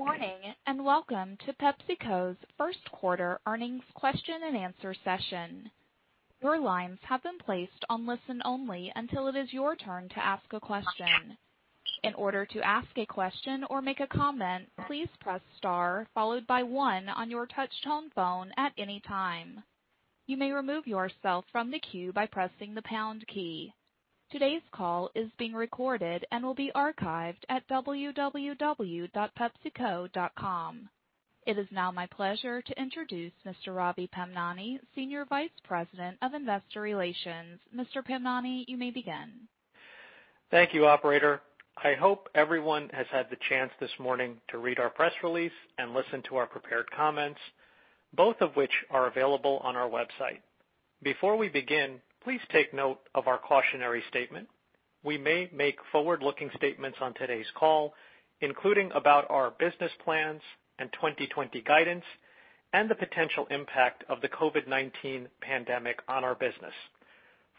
Good morning. Welcome to PepsiCo's first quarter earnings question and answer session. Your lines have been placed on listen only until it is your turn to ask a question. In order to ask a question or make a comment, please press star followed by one on your touch-tone phone at any time. You may remove yourself from the queue by pressing the pound key. Today's call is being recorded and will be archived at www.pepsico.com. It is now my pleasure to introduce Mr. Ravi Pamnani, Senior Vice President of Investor Relations. Mr. Pamnani, you may begin. Thank you, operator. I hope everyone has had the chance this morning to read our press release and listen to our prepared comments, both of which are available on our website. Before we begin, please take note of our cautionary statement. We may make forward-looking statements on today's call, including about our business plans and 2020 guidance, and the potential impact of the COVID-19 pandemic on our business.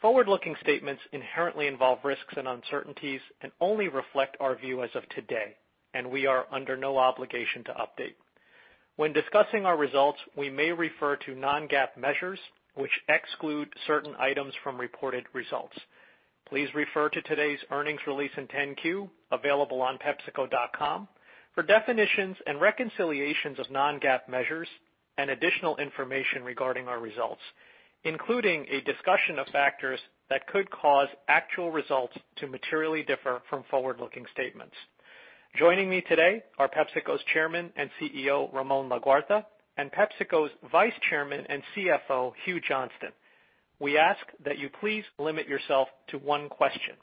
Forward-looking statements inherently involve risks and uncertainties and only reflect our view as of today, and we are under no obligation to update. When discussing our results, we may refer to non-GAAP measures, which exclude certain items from reported results. Please refer to today's earnings release in 10-Q, available on pepsico.com, for definitions and reconciliations of non-GAAP measures and additional information regarding our results, including a discussion of factors that could cause actual results to materially differ from forward-looking statements. Joining me today are PepsiCo's Chairman and CEO, Ramon Laguarta, and PepsiCo's Vice Chairman and CFO, Hugh Johnston. We ask that you please limit yourself to one question.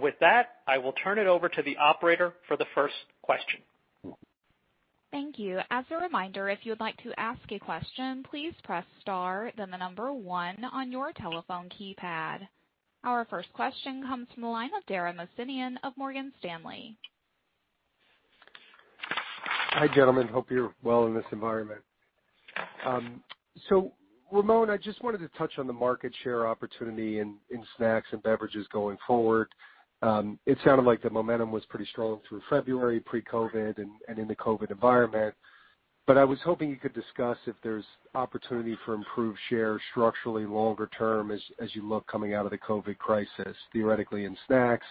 With that, I will turn it over to the operator for the first question. Thank you. As a reminder, if you would like to ask a question, please press star, then the number one on your telephone keypad. Our first question comes from the line of Dara Mohsenian of Morgan Stanley. Hi, gentlemen. Hope you're well in this environment. Ramon, I just wanted to touch on the market share opportunity in snacks and beverages going forward. It sounded like the momentum was pretty strong through February, pre-COVID-19, and in the COVID-19 environment. I was hoping you could discuss if there's opportunity for improved share structurally longer term as you look coming out of the COVID-19 crisis. Theoretically, in snacks,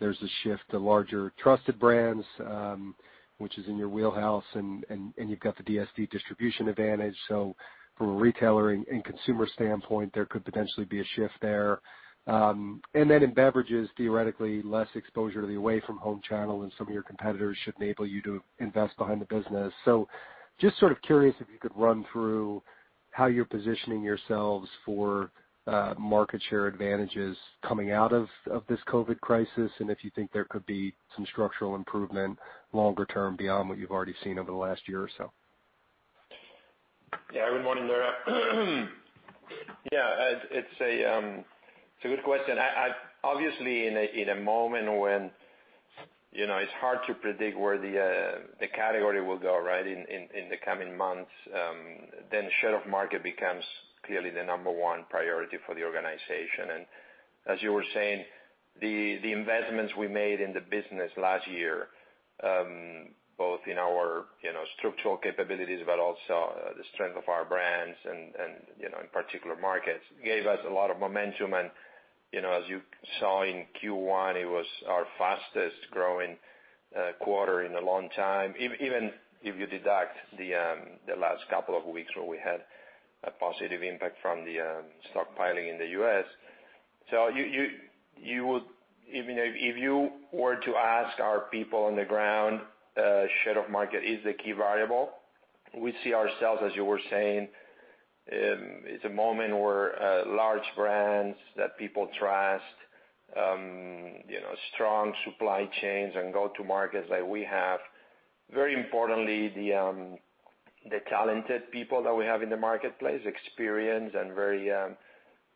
there's a shift to larger trusted brands, which is in your wheelhouse, and you've got the DSD distribution advantage. From a retailer and consumer standpoint, there could potentially be a shift there. In beverages, theoretically, less exposure to the away from home channel than some of your competitors should enable you to invest behind the business. Just sort of curious if you could run through how you're positioning yourselves for market share advantages coming out of this COVID-19 crisis, and if you think there could be some structural improvement longer term beyond what you've already seen over the last year or so. Good morning, Dara. It's a good question. In a moment when it's hard to predict where the category will go in the coming months, share of market becomes clearly the number one priority for the organization. As you were saying, the investments we made in the business last year, both in our structural capabilities, but also the strength of our brands and in particular markets, gave us a lot of momentum. As you saw in Q1, it was our fastest growing quarter in a long time, even if you deduct the last couple of weeks where we had a positive impact from the stockpiling in the U.S. Even if you were to ask our people on the ground, share of market is the key variable. We see ourselves, as you were saying, it's a moment where large brands that people trust, strong supply chains, and go-to markets like we have. Very importantly, the talented people that we have in the marketplace, experienced and very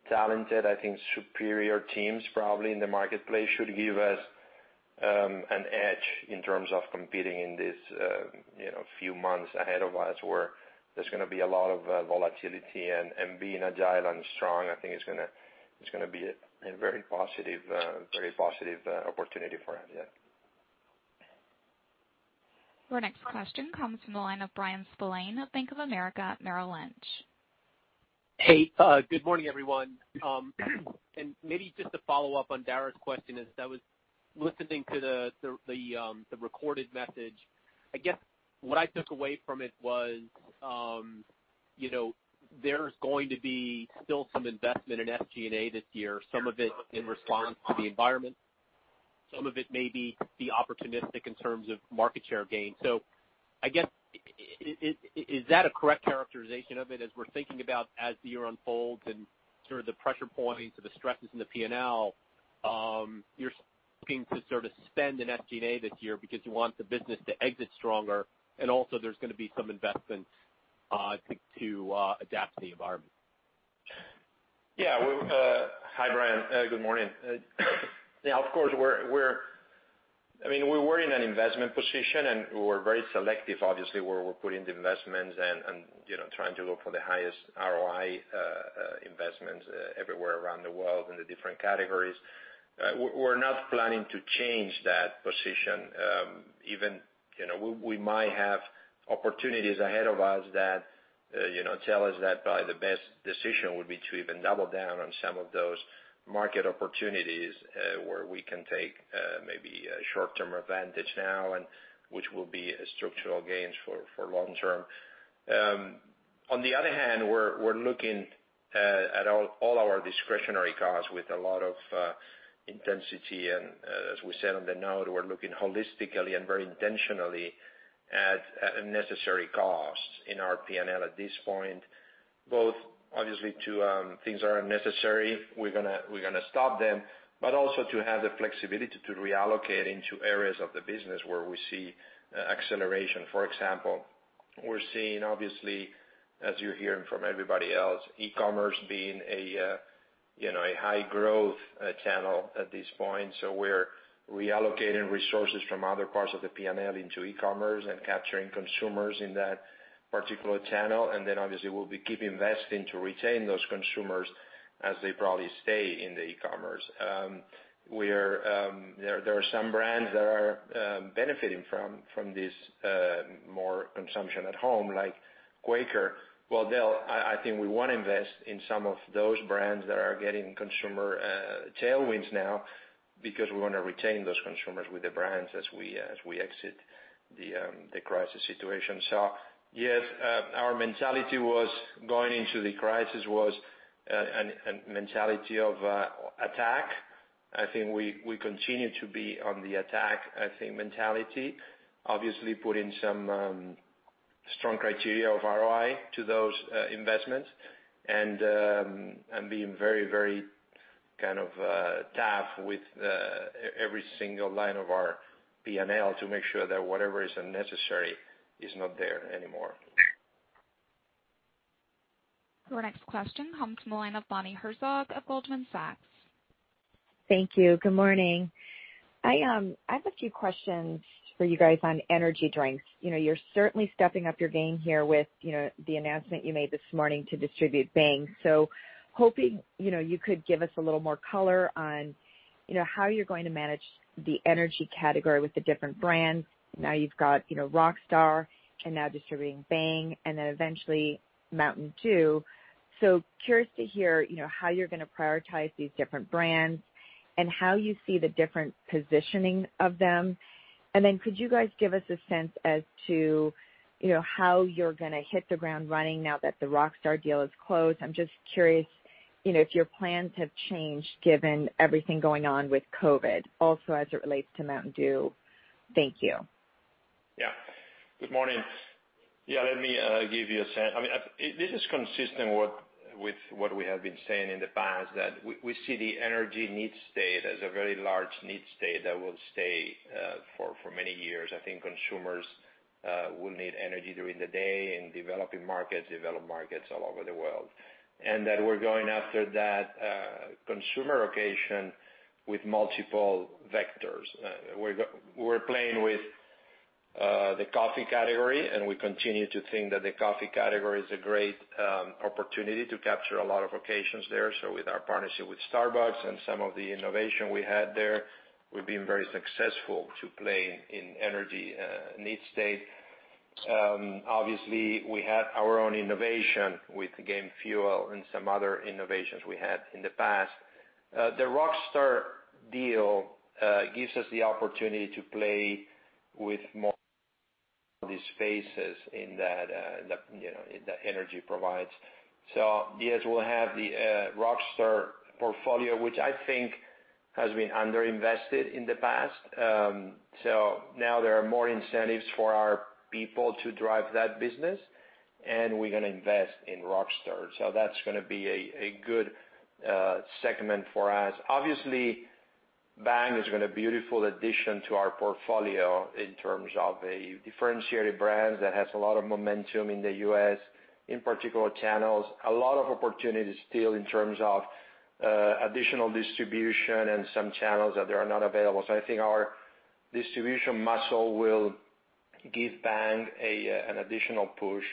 talented, I think superior teams probably in the marketplace should give us an edge in terms of competing in this few months ahead of us, where there's going to be a lot of volatility. Being agile and strong, I think, is going to be a very positive opportunity for us. Yeah. Your next question comes from the line of Bryan Spillane of Bank of America Merrill Lynch. Hey, good morning, everyone. Maybe just to follow up on Dara's question, as I was listening to the recorded message, I guess what I took away from it was there's going to be still some investment in SG&A this year, some of it in response to the environment, some of it may be opportunistic in terms of market share gain. I guess, is that a correct characterization of it as we're thinking about as the year unfolds and sort of the pressure points or the stresses in the P&L, you're looking to sort of spend in SG&A this year because you want the business to exit stronger, and also there's going to be some investment, I think, to adapt to the environment? Hi, Bryan. Good morning. Of course, we were in an investment position, and we're very selective, obviously, where we're putting the investments and trying to look for the highest ROI investments everywhere around the world in the different categories. We're not planning to change that position. We might have opportunities ahead of us that tell us that probably the best decision would be to even double down on some of those market opportunities, where we can take maybe a short-term advantage now, and which will be structural gains for long-term. On the other hand, we're looking at all our discretionary costs with a lot of intensity. As we said on the note, we're looking holistically and very intentionally at necessary costs in our P&L at this point, both obviously to things that are unnecessary, we're going to stop them, but also to have the flexibility to reallocate into areas of the business where we see acceleration. For example, we're seeing, obviously, as you're hearing from everybody else, e-commerce being a high-growth channel at this point. We're reallocating resources from other parts of the P&L into e-commerce and capturing consumers in that particular channel. Obviously, we'll be keep investing to retain those consumers as they probably stay in the e-commerce. There are some brands that are benefiting from this more consumption at home, like Quaker. Well, I think we want to invest in some of those brands that are getting consumer tailwinds now because we want to retain those consumers with the brands as we exit the crisis situation. Yes, our mentality going into the crisis was a mentality of attack. I think we continue to be on the attack mentality. Obviously, putting some strong criteria of ROI to those investments and being very kind of tough with every single line of our P&L to make sure that whatever is unnecessary is not there anymore. Your next question comes from the line of Bonnie Herzog of Goldman Sachs. Thank you. Good morning. I have a few questions for you guys on energy drinks. You're certainly stepping up your game here with the announcement you made this morning to distribute Bang. Hoping you could give us a little more color on how you're going to manage the energy category with the different brands. Now you've got Rockstar and now distributing Bang and then eventually Mountain Dew. Curious to hear how you're going to prioritize these different brands and how you see the different positioning of them. Could you guys give us a sense as to how you're going to hit the ground running now that the Rockstar deal is closed? I'm just curious if your plans have changed given everything going on with COVID-19, also as it relates to Mountain Dew. Thank you. Good morning. Let me give you a sense. This is consistent with what we have been saying in the past, that we see the energy need state as a very large need state that will stay for many years. I think consumers will need energy during the day in developing markets, developed markets all over the world. That we're going after that consumer occasion with multiple vectors. We're playing with the coffee category, and we continue to think that the coffee category is a great opportunity to capture a lot of occasions there. With our partnership with Starbucks and some of the innovation we had there, we've been very successful to play in energy need state. Obviously, we had our own innovation with Game Fuel and some other innovations we had in the past. The Rockstar deal gives us the opportunity to play with more of these spaces in that energy provides. Yes, we'll have the Rockstar portfolio, which I think has been under-invested in the past. Now there are more incentives for our people to drive that business, and we're going to invest in Rockstar. That's going to be a good segment for us. Obviously, Bang is going to be a beautiful addition to our portfolio in terms of a differentiated brand that has a lot of momentum in the U.S., in particular channels. A lot of opportunities still in terms of additional distribution and some channels that are not available. I think our distribution muscle will give Bang an additional push,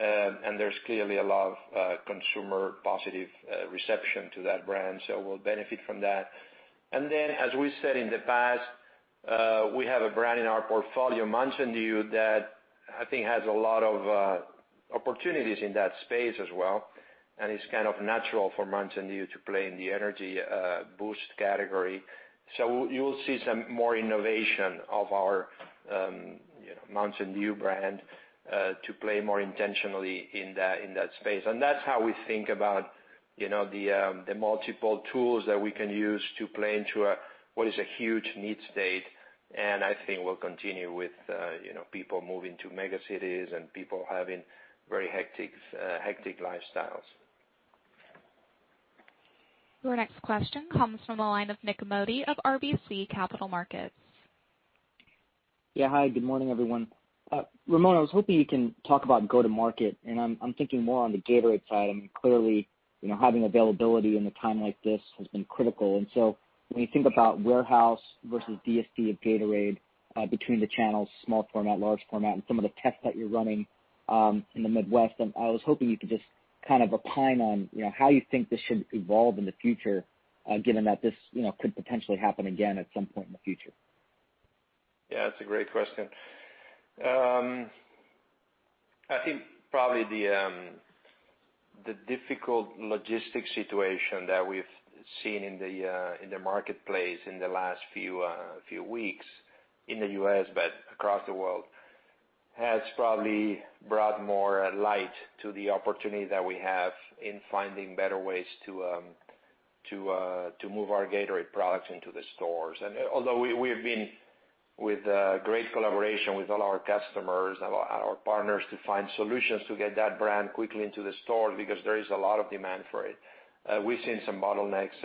and there's clearly a lot of consumer positive reception to that brand, so we'll benefit from that. Then, as we said in the past, we have a brand in our portfolio, Mountain Dew, that I think has a lot of opportunities in that space as well, and it's kind of natural for Mountain Dew to play in the energy boost category. You will see some more innovation of our Mountain Dew brand to play more intentionally in that space. That's how we think about the multiple tools that we can use to play into what is a huge need state. I think we'll continue with people moving to mega cities and people having very hectic lifestyles. Your next question comes from the line of Nik Modi of RBC Capital Markets. Yeah. Hi, good morning, everyone. Ramon, I was hoping you can talk about go-to-market, and I'm thinking more on the Gatorade side. Clearly, having availability in a time like this has been critical. When you think about warehouse versus DSD of Gatorade, between the channels, small format, large format, and some of the tests that you're running in the Midwest, I was hoping you could just opine on how you think this should evolve in the future, given that this could potentially happen again at some point in the future. Yeah, it's a great question. I think probably the difficult logistics situation that we've seen in the marketplace in the last few weeks in the U.S., but across the world, has probably brought more light to the opportunity that we have in finding better ways to move our Gatorade products into the stores. We have been with great collaboration with all our customers and our partners to find solutions to get that brand quickly into the store, because there is a lot of demand for it. We've seen some bottlenecks.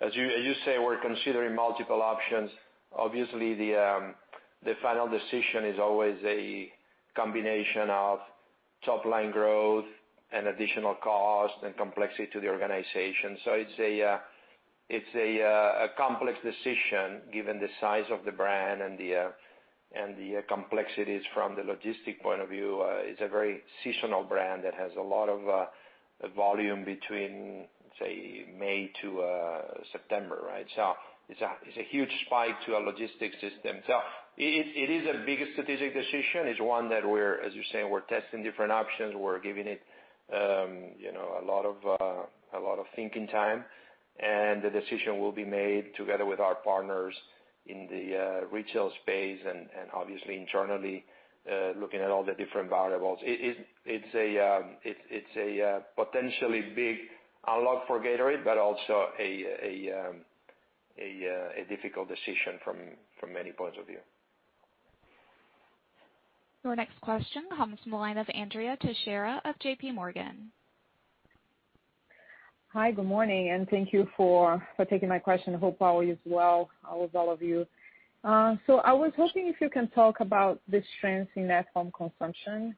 As you say, we're considering multiple options. Obviously, the final decision is always a combination of top-line growth and additional cost and complexity to the organization. It's a complex decision given the size of the brand and the complexities from the logistic point of view. It's a very seasonal brand that has a lot of volume between, say, May to September, right? It's a huge spike to our logistics system. It is a big strategic decision. It's one that we're, as you're saying, we're testing different options. We're giving it a lot of thinking time, and the decision will be made together with our partners in the retail space and obviously internally, looking at all the different variables. It's a potentially big unlock for Gatorade, but also a difficult decision from many points of view. Your next question comes from the line of Andrea Teixeira of JPMorgan. Hi, good morning, thank you for taking my question. Hope all is well with all of you. I was hoping if you can talk about the trends in at-home consumption.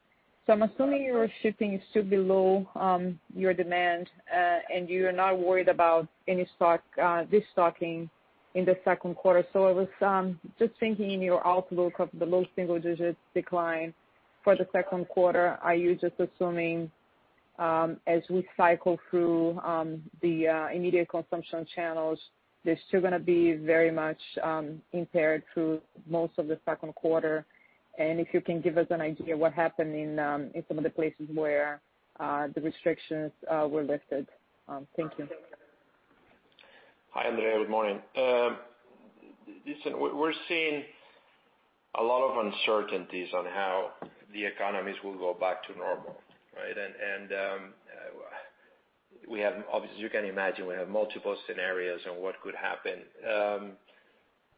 I'm assuming your shipping is still below your demand, and you're not worried about any de-stocking in the second quarter. I was just thinking in your outlook of the low single-digit decline for the second quarter, are you just assuming, as we cycle through the immediate consumption channels, they're still going to be very much impaired through most of the second quarter? If you can give us an idea what happened in some of the places where the restrictions were lifted. Thank you. Hi, Andrea. Good morning. Listen, we're seeing a lot of uncertainties on how the economies will go back to normal, right? Obviously, as you can imagine, we have multiple scenarios on what could happen.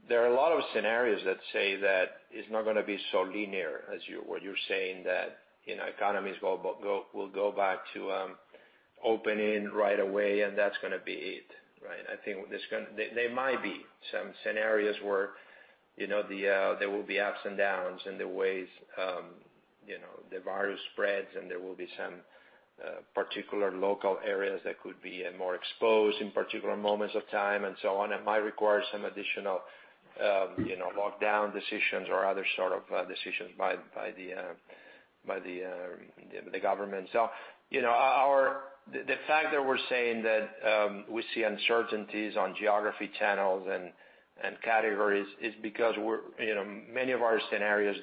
There are a lot of scenarios that say that it's not going to be so linear as what you're saying that economies will go back to opening right away, and that's going to be it, right? I think there might be some scenarios where there will be ups and downs in the ways the virus spreads, and there will be some particular local areas that could be more exposed in particular moments of time and so on. It might require some additional lockdown decisions or other sort of decisions by the government. The fact that we're saying that we see uncertainties on geography channels and categories is because many of our scenarios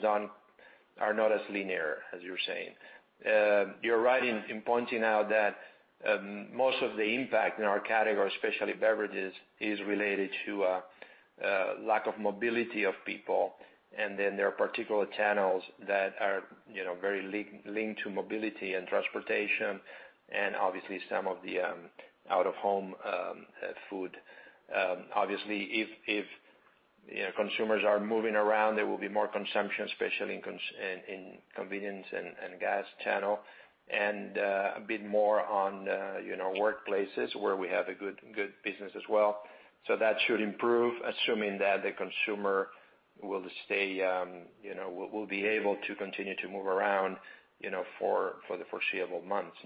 are not as linear as you're saying. You're right in pointing out that most of the impact in our category, especially beverages, is related to a lack of mobility of people. There are particular channels that are very linked to mobility and transportation, and obviously some of the out-of-home food. Obviously, if consumers are moving around, there will be more consumption, especially in convenience and gas channel and a bit more on workplaces where we have a good business as well. That should improve, assuming that the consumer will be able to continue to move around for the foreseeable months.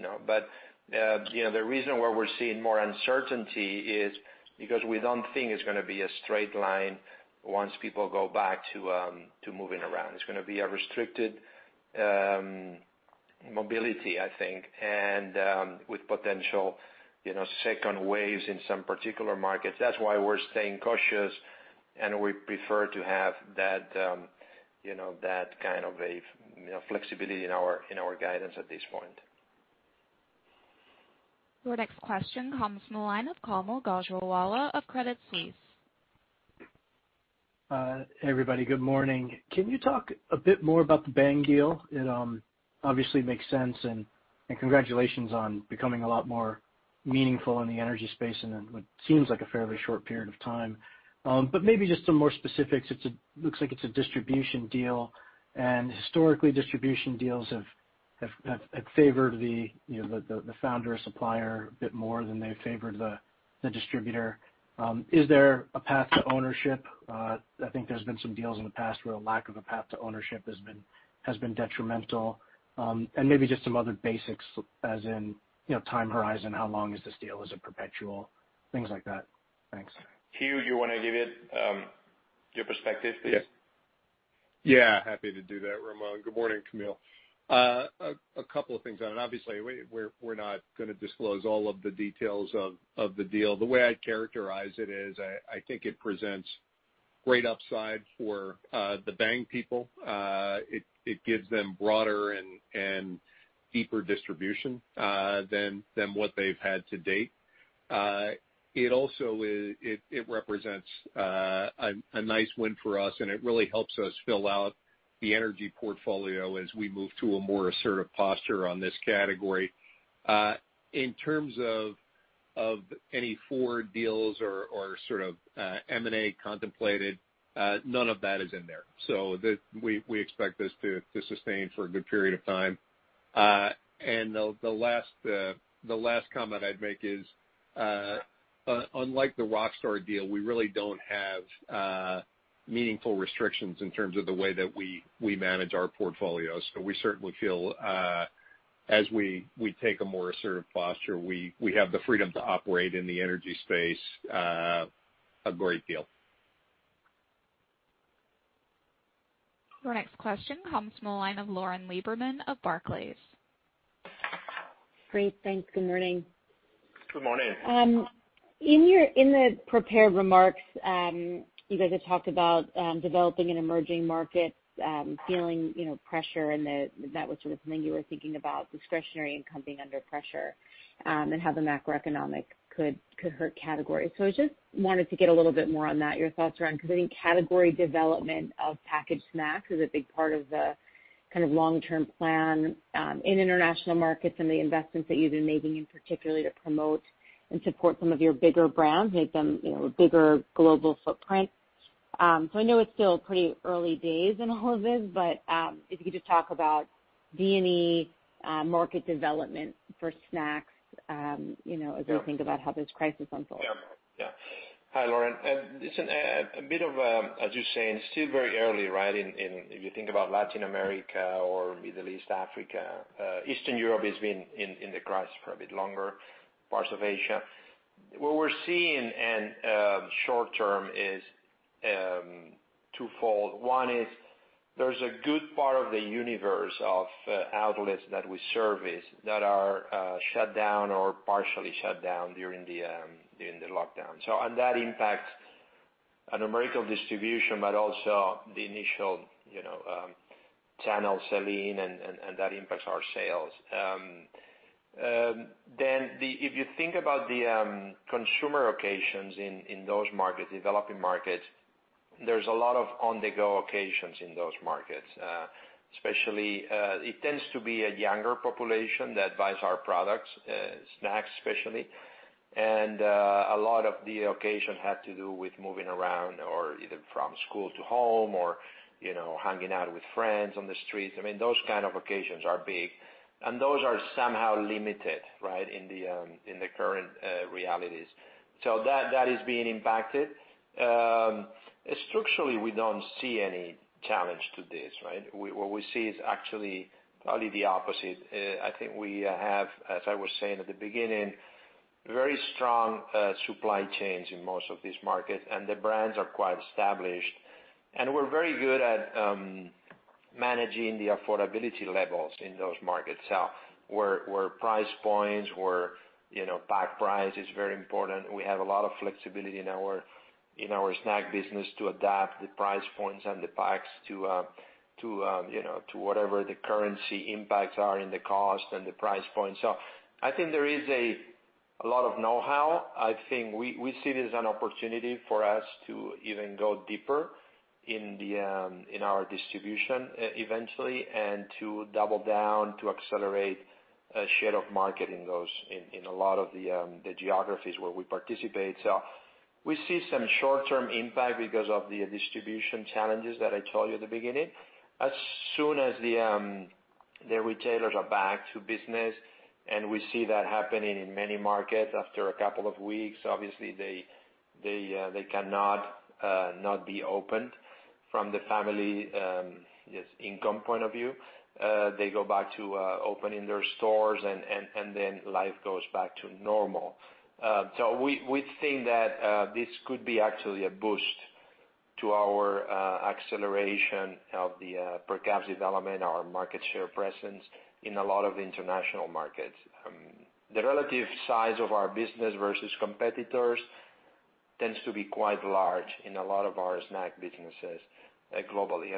The reason why we're seeing more uncertainty is because we don't think it's going to be a straight line once people go back to moving around. It's going to be a restricted mobility, I think, and with potential second waves in some particular markets. That's why we're staying cautious, and we prefer to have that kind of a flexibility in our guidance at this point. Your next question comes from the line of Kaumil Gajrawala of Credit Suisse. Hey, everybody. Good morning. Can you talk a bit more about the Bang deal? It obviously makes sense, and congratulations on becoming a lot more meaningful in the energy space in what seems like a fairly short period of time. Maybe just some more specifics. It looks like it's a distribution deal, and historically, distribution deals have favored the founder or supplier a bit more than they favored the distributor. Is there a path to ownership? I think there's been some deals in the past where a lack of a path to ownership has been detrimental. Maybe just some other basics as in time horizon, how long is this deal? Is it perpetual? Things like that. Thanks. Hugh, you want to give it your perspective, please? Happy to do that, Ramon. Good morning, Kaumil. A couple of things on it. Obviously, we're not going to disclose all of the details of the deal. The way I'd characterize it is, I think it presents great upside for the Bang people. It gives them broader and deeper distribution than what they've had to date. It represents a nice win for us, and it really helps us fill out the energy portfolio as we move to a more assertive posture on this category. In terms of any forward deals or sort of M&A contemplated, none of that is in there. We expect this to sustain for a good period of time. The last comment I'd make is unlike the Rockstar deal, we really don't have meaningful restrictions in terms of the way that we manage our portfolio. We certainly feel as we take a more assertive posture, we have the freedom to operate in the energy space a great deal. Your next question comes from the line of Lauren Lieberman of Barclays. Great. Thanks. Good morning. Good morning. In the prepared remarks, you guys had talked about developing an emerging market, feeling pressure and that was sort of something you were thinking about, discretionary income being under pressure, and how the macroeconomic could hurt categories. I just wanted to get a little bit more on that, your thoughts around, because I think category development of packaged snacks is a big part of the kind of long-term plan in international markets and the investments that you've been making in particularly to promote and support some of your bigger brands, make them a bigger global footprint. I know it's still pretty early days in all of this, but if you could just talk about EM market development for snacks as we think about how this crisis unfolds. Yeah. Hi, Lauren. Listen, a bit of a, as you're saying, still very early, right, if you think about Latin America or Middle East Africa. Eastern Europe has been in the crisis for a bit longer, parts of Asia. What we're seeing in short term is twofold. One is there's a good part of the universe of outlets that we service that are shut down or partially shut down during the lockdown. On that impact on numerical distribution, but also the initial channel selling and that impacts our sales. If you think about the consumer occasions in those markets, developing markets, there's a lot of on-the-go occasions in those markets. Especially, it tends to be a younger population that buys our products, snacks especially. A lot of the occasion had to do with moving around or either from school to home or hanging out with friends on the streets. I mean, those kind of occasions are big, and those are somehow limited, right, in the current realities. That is being impacted. Structurally, we don't see any challenge to this, right? What we see is actually probably the opposite. I think we have, as I was saying at the beginning, very strong supply chains in most of these markets, and the brands are quite established. We're very good at managing the affordability levels in those markets. Where price points, where pack price is very important, we have a lot of flexibility in our snack business to adapt the price points and the packs to whatever the currency impacts are in the cost and the price point. I think there is a lot of know-how. I think we see it as an opportunity for us to even go deeper in our distribution eventually, and to double down to accelerate a share of market in a lot of the geographies where we participate. We see some short-term impact because of the distribution challenges that I told you at the beginning. As soon as the retailers are back to business, and we see that happening in many markets after a couple of weeks. Obviously, they cannot not be opened from the family income point of view. They go back to opening their stores and then life goes back to normal. We think that this could be actually a boost to our acceleration of the per caps development, our market share presence in a lot of international markets. The relative size of our business versus competitors tends to be quite large in a lot of our snack businesses globally.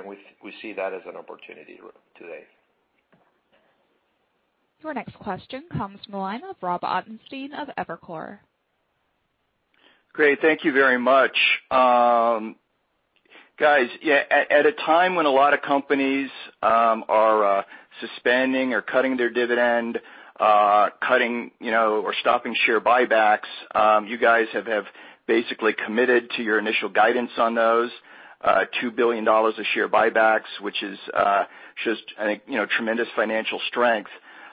We see that as an opportunity today. Your next question comes from the line of Robert Ottenstein of Evercore. Great. Thank you very much. Guys, at a time when a lot of companies are suspending or cutting their dividend or stopping share buybacks. You guys have basically committed to your initial guidance on those, $2 billion of share buybacks, which is just tremendous financial strength.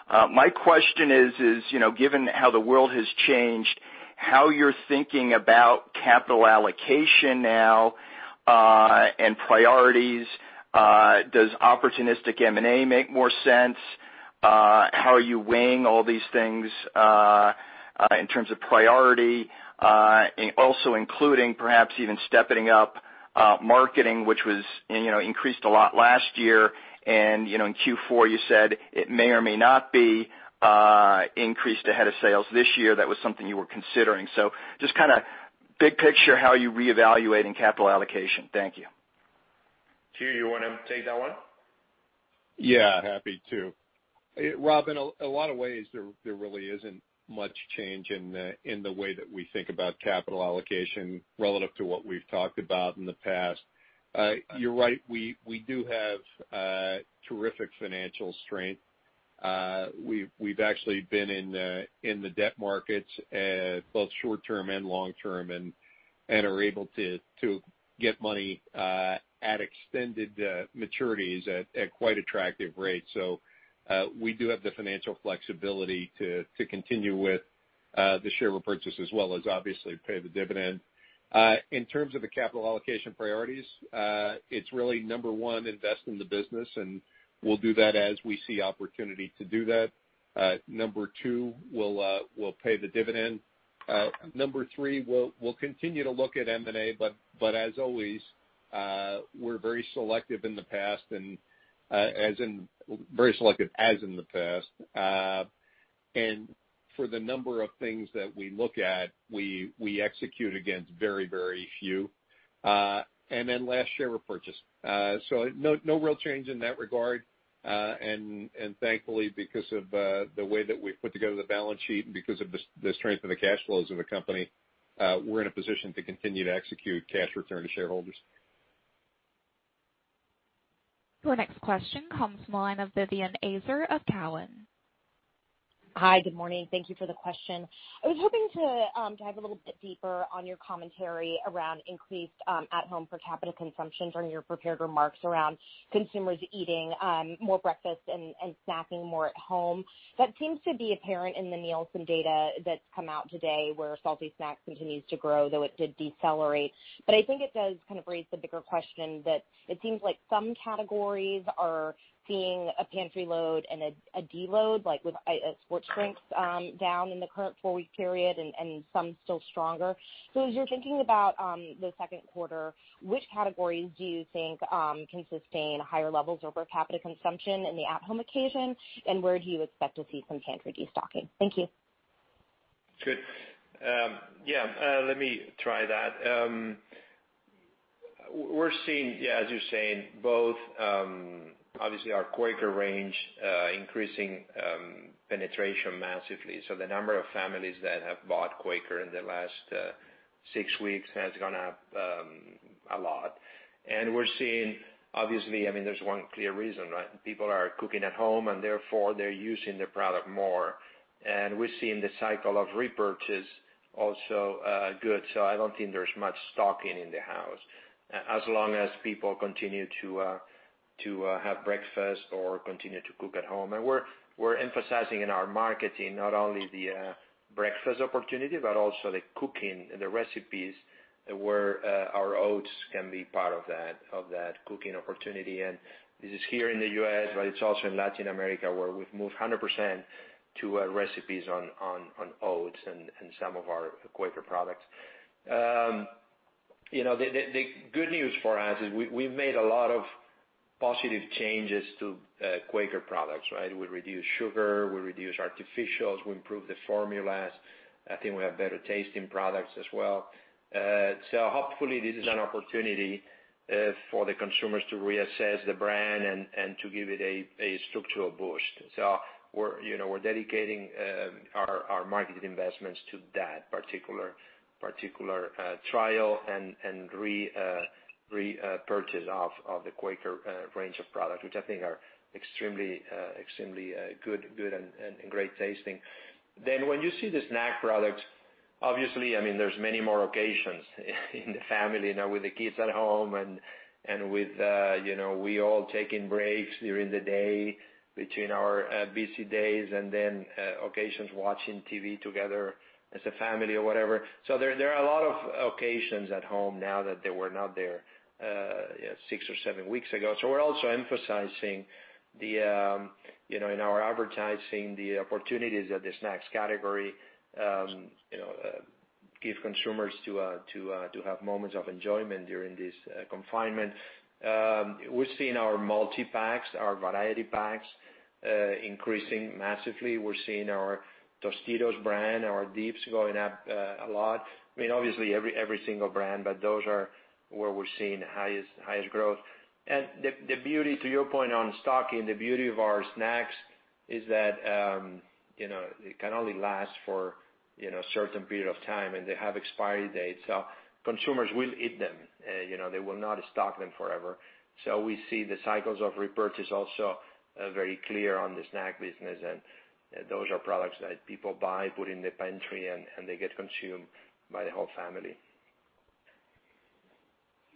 My question is, given how the world has changed, how you're thinking about capital allocation now and priorities. Does opportunistic M&A make more sense? How are you weighing all these things in terms of priority? Also including perhaps even stepping up marketing, which was increased a lot last year, and in Q4, you said it may or may not be increased ahead of sales this year. That was something you were considering. Just big picture how you're reevaluating capital allocation. Thank you. Hugh, you want to take that one? Yeah, happy to. Rob, in a lot of ways, there really isn't much change in the way that we think about capital allocation relative to what we've talked about in the past. You're right, we do have terrific financial strength. We've actually been in the debt markets, both short-term and long-term, and are able to get money at extended maturities at quite attractive rates. We do have the financial flexibility to continue with the share repurchase, as well as obviously pay the dividend. In terms of the capital allocation priorities, it's really number one, invest in the business, and we'll do that as we see opportunity to do that. Number two, we'll pay the dividend. Number three, we'll continue to look at M&A, but as always, we're very selective as in the past. For the number of things that we look at, we execute against very few. Last, share repurchase. No real change in that regard. Thankfully, because of the way that we put together the balance sheet, and because of the strength of the cash flows of the company, we're in a position to continue to execute cash return to shareholders. Our next question comes from the line of Vivien Azer of Cowen. Hi, good morning. Thank you for the question. I was hoping to dive a little bit deeper on your commentary around increased at-home per capita consumption during your prepared remarks around consumers eating more breakfast and snacking more at home. That seems to be apparent in the Nielsen data that's come out today, where salty snacks continues to grow, though it did decelerate. I think it does raise the bigger question that it seems like some categories are seeing a pantry load and a deload, like with sports drinks down in the current four-week period and some still stronger. As you're thinking about the second quarter, which categories do you think can sustain higher levels of per capita consumption in the at-home occasion, and where do you expect to see some pantry destocking? Thank you. Good. Yeah, let me try that. We're seeing, as you're saying, both obviously our Quaker range increasing penetration massively. We're seeing, obviously, there's one clear reason, right? People are cooking at home, therefore they're using the product more. We're seeing the cycle of repurchase also good. I don't think there's much stocking in the house, as long as people continue to have breakfast or continue to cook at home. We're emphasizing in our marketing, not only the breakfast opportunity, but also the cooking and the recipes where our oats can be part of that cooking opportunity. This is here in the U.S., but it's also in Latin America, where we've moved 100% to recipes on oats and some of our Quaker products. The good news for us is we've made a lot of positive changes to Quaker products, right? We reduced sugar, we reduced artificials, we improved the formulas. I think we have better tasting products as well. Hopefully this is an opportunity for the consumers to reassess the brand and to give it a structural boost. We're dedicating our market investments to that particular trial and repurchase of the Quaker range of products, which I think are extremely good and great tasting. When you see the snack products, obviously, there's many more occasions in the family now with the kids at home and with we all taking breaks during the day between our busy days and then occasions watching TV together as a family or whatever. There are a lot of occasions at home now that they were not there six or seven weeks ago. We're also emphasizing in our advertising the opportunities that the snacks category give consumers to have moments of enjoyment during this confinement. We're seeing our multi-packs, our variety packs increasing massively. We're seeing our Tostitos brand, our dips going up a lot. Obviously, every single brand, but those are where we're seeing the highest growth. To your point on stocking, the beauty of our snacks is that it can only last for a certain period of time, and they have expiry dates, so consumers will eat them. They will not stock them forever. We see the cycles of repurchase also very clear on the snack business, and those are products that people buy, put in the pantry, and they get consumed by the whole family.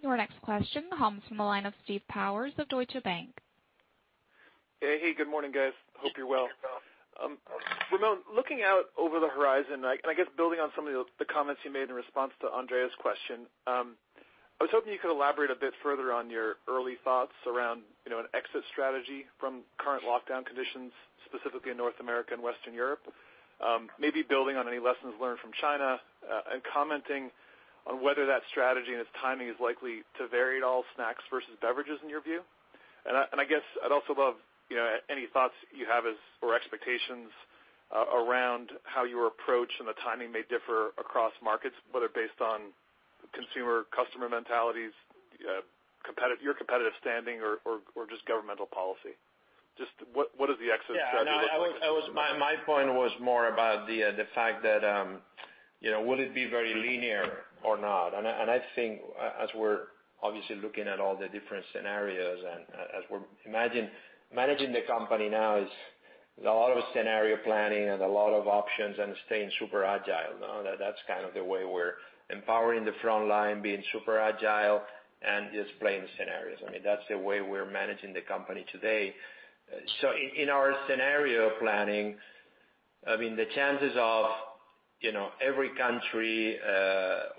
Your next question comes from the line of Steve Powers of Deutsche Bank. Hey, good morning, guys. Hope you're well. Ramon, looking out over the horizon, I guess building on some of the comments you made in response to Andrea's question. I was hoping you could elaborate a bit further on your early thoughts around an exit strategy from current lockdown conditions, specifically in North America and Western Europe. Maybe building on any lessons learned from China, commenting on whether that strategy and its timing is likely to vary at all, snacks versus beverages in your view. I guess I'd also love any thoughts you have or expectations around how your approach and the timing may differ across markets, whether based on consumer customer mentalities, your competitive standing or just governmental policy. Just what does the exit strategy look like? My point was more about the fact that, will it be very linear or not? I think as we're obviously looking at all the different scenarios and as we're managing the company now is a lot of scenario planning and a lot of options and staying super agile. That's kind of the way we're empowering the front line, being super agile and just playing scenarios. That's the way we're managing the company today. In our scenario planning, the chances of every country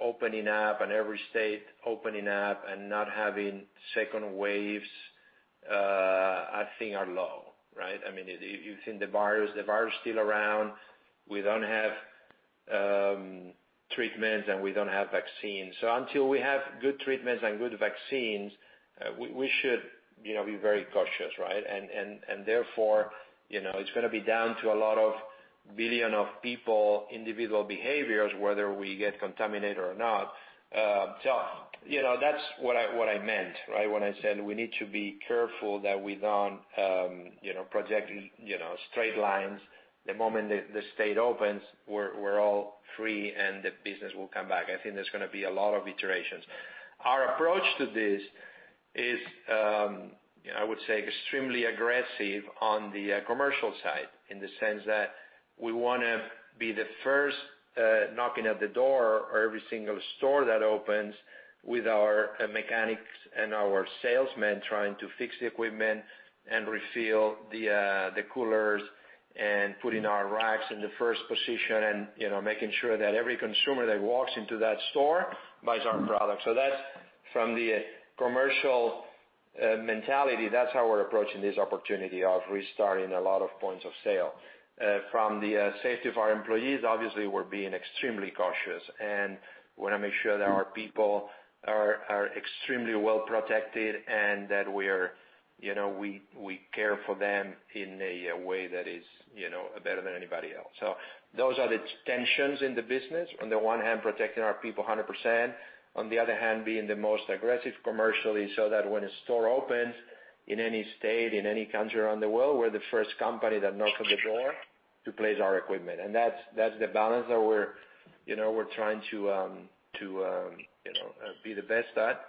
opening up and every state opening up and not having second waves, I think are low, right? The virus is still around. We don't have treatments, and we don't have vaccines. Until we have good treatments and good vaccines, we should be very cautious, right? Therefore, it's going to be down to a lot of billion of people, individual behaviors, whether we get contaminated or not. That's what I meant when I said we need to be careful that we don't project straight lines. The moment the state opens, we're all free, and the business will come back. I think there's going to be a lot of iterations. Our approach to this is, I would say, extremely aggressive on the commercial side in the sense that we want to be the first knocking at the door of every single store that opens with our mechanics and our salesmen trying to fix the equipment and refill the coolers and putting our racks in the first position and making sure that every consumer that walks into that store buys our product. From the commercial mentality, that's how we're approaching this opportunity of restarting a lot of points of sale. From the safety of our employees, obviously, we're being extremely cautious, and we want to make sure that our people are extremely well protected and that we care for them in a way that is better than anybody else. Those are the tensions in the business. On the one hand, protecting our people 100%, on the other hand, being the most aggressive commercially, so that when a store opens in any state, in any country around the world, we're the first company that knocks on the door to place our equipment. That's the balance that we're trying to be the best at.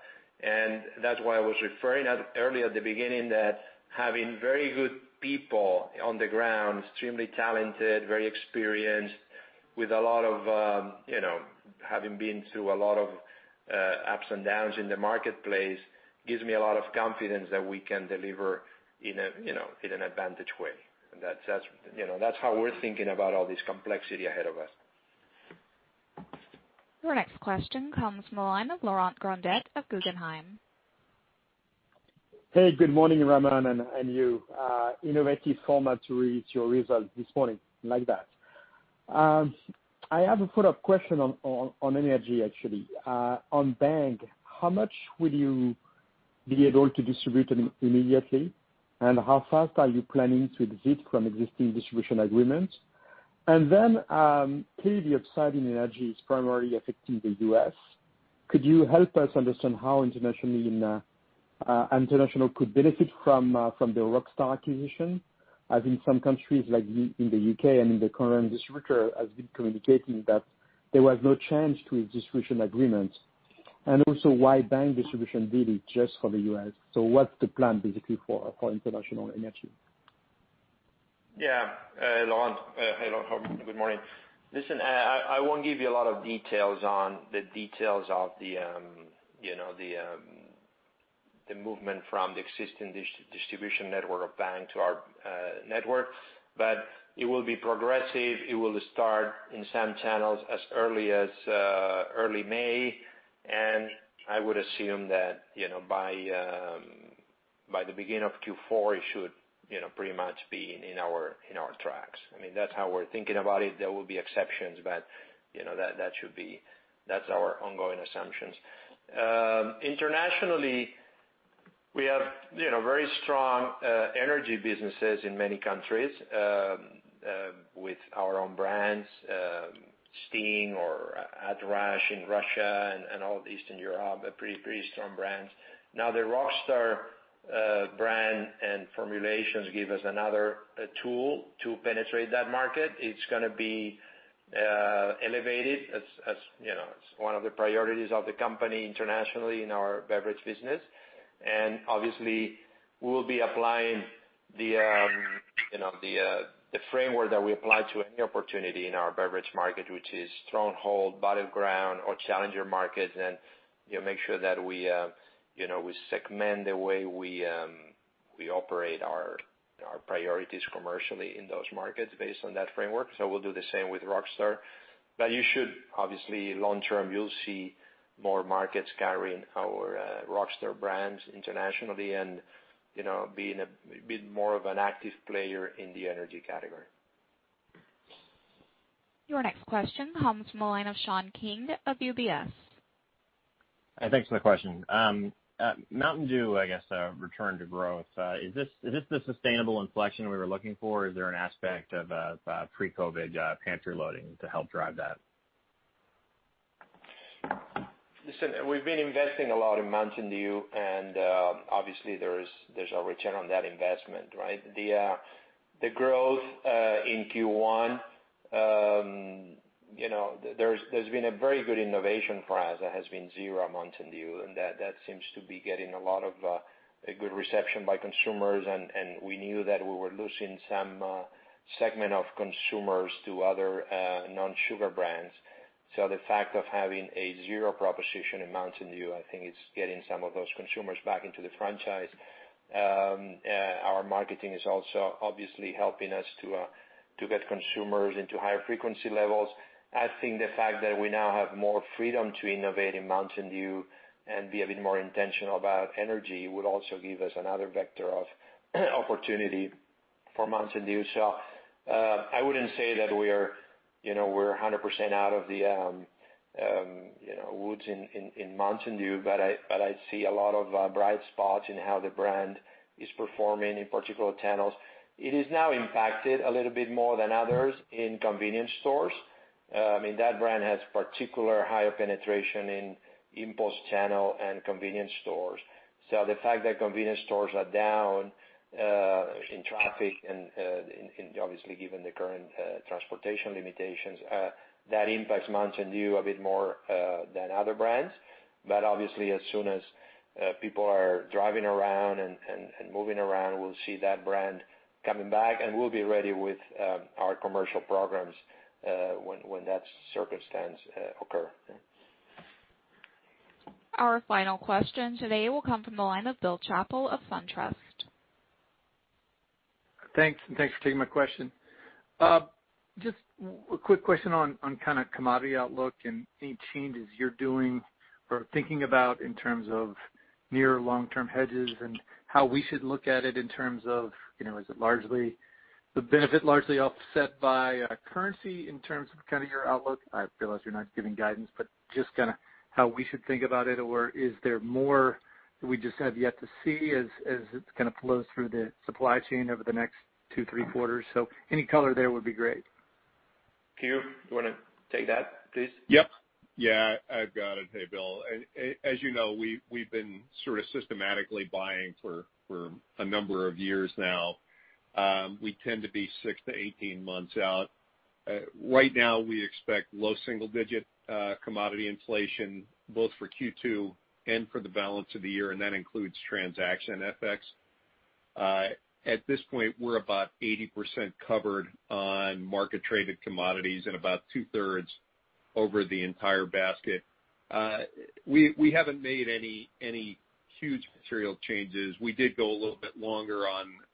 That's why I was referring earlier at the beginning that having very good people on the ground, extremely talented, very experienced with having been through a lot of ups and downs in the marketplace, gives me a lot of confidence that we can deliver in an advantage way. That's how we're thinking about all this complexity ahead of us. Your next question comes from the line of Laurent Grandet of Guggenheim. Hey, good morning, Ramon and you. Innovative format to read your results this morning. Like that. I have a follow-up question on energy, actually. On Bang, how much will you be able to distribute immediately, and how fast are you planning to exit from existing distribution agreements? Clearly upside in energy is primarily affecting the U.S. Could you help us understand how international could benefit from the Rockstar acquisition? In some countries, like in the U.K. and in the current distributor, has been communicating that there was no change to its distribution agreement. Why Bang distribution really just for the U.S. What's the plan basically for international energy? Yeah. Laurent, good morning. Listen, I won't give you a lot of details on the details of the movement from the existing distribution network of Bang to our network, but it will be progressive. It will start in some channels as early as early May, I would assume that by the beginning of Q4, it should pretty much be in our tracks. That's how we're thinking about it. There will be exceptions, but that's our ongoing assumptions. Internationally, we have very strong energy businesses in many countries, with our own brands, Sting or Adrenaline Rush in Russia and all of Eastern Europe, pretty strong brands. The Rockstar brand and formulations give us another tool to penetrate that market. It's going to be elevated as one of the priorities of the company internationally in our beverage business. Obviously, we'll be applying the framework that we apply to any opportunity in our beverage market, which is stronghold, battleground, or challenger markets, and make sure that we segment the way we operate our priorities commercially in those markets based on that framework, so we'll do the same with Rockstar. You should, obviously, long-term, you'll see more markets carrying our Rockstar brands internationally and be more of an active player in the energy category. Your next question comes from the line of Sean King of UBS. Thanks for the question. Mountain Dew, I guess, return to growth. Is this the sustainable inflection we were looking for, or is there an aspect of pre-COVID-19 pantry loading to help drive that? Listen, we've been investing a lot in Mountain Dew. Obviously there's a return on that investment, right? The growth in Q1, there's been a very good innovation for us. There has been Zero Mountain Dew. That seems to be getting a lot of good reception by consumers. We knew that we were losing some segment of consumers to other non-sugar brands. The fact of having a Zero proposition in Mountain Dew, I think it's getting some of those consumers back into the franchise. Our marketing is also obviously helping us to get consumers into higher frequency levels. I think the fact that we now have more freedom to innovate in Mountain Dew and be a bit more intentional about energy will also give us another vector of opportunity for Mountain Dew. I wouldn't say that we're 100% out of the woods in Mountain Dew, but I see a lot of bright spots in how the brand is performing in particular channels. It is now impacted a little bit more than others in convenience stores. That brand has particular higher penetration in impulse channel and convenience stores. The fact that convenience stores are down in traffic and obviously given the current transportation limitations, that impacts Mountain Dew a bit more than other brands. Obviously, as soon as people are driving around and moving around, we'll see that brand coming back, and we'll be ready with our commercial programs when that circumstance occurs. Our final question today will come from the line of Bill Chappell of SunTrust. Thanks, thanks for taking my question. Just a quick question on kind of commodity outlook and any changes you're doing or thinking about in terms of near or long-term hedges and how we should look at it in terms of, is the benefit largely offset by currency in terms of kind of your outlook? I realize you're not giving guidance, just how we should think about it. Is there more that we just have yet to see as it kind of flows through the supply chain over the next two, three quarters? Any color there would be great. Hugh, you want to take that, please? Yep. Yeah, I've got it. Hey, Bill. As you know, we've been sort of systematically buying for a number of years now. We tend to be 6-18 months out. Right now, we expect low single-digit commodity inflation both for Q2 and for the balance of the year, and that includes transaction FX. At this point, we're about 80% covered on market-traded commodities and about two-thirds over the entire basket. We haven't made any huge material changes. We did go a little bit longer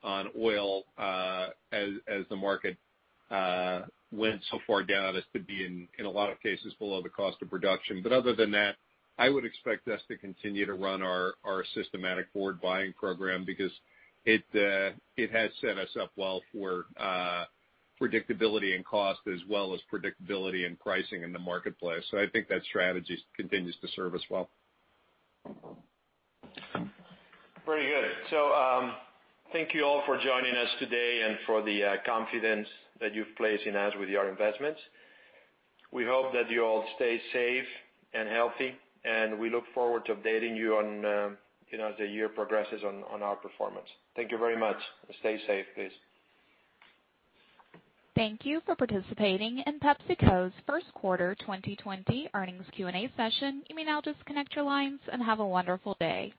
on oil as the market went so far down as to be, in a lot of cases, below the cost of production. Other than that, I would expect us to continue to run our systematic forward buying program because it has set us up well for predictability in cost as well as predictability in pricing in the marketplace. I think that strategy continues to serve us well. Thank you all for joining us today and for the confidence that you've placed in us with your investments. We hope that you all stay safe and healthy, and we look forward to updating you as the year progresses on our performance. Thank you very much, and stay safe, please. Thank you for participating in PepsiCo's first quarter 2020 earnings Q&A session. You may now disconnect your lines, and have a wonderful day.